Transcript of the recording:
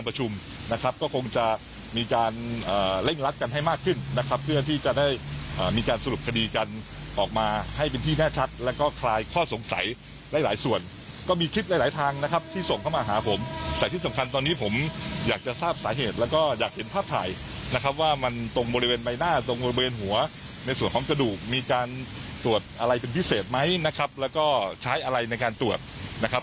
เป็นพิเศษไหมนะครับแล้วก็ใช้อะไรในการตรวจนะครับ